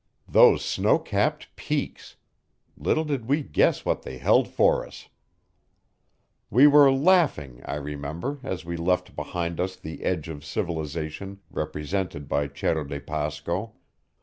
Those snow capped peaks! Little did we guess what they held for us. We were laughing, I remember, as we left behind us the edge of civilization represented by Cerro de Pasco.